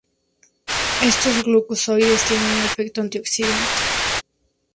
Estos glucósidos tienen un efecto antioxidante.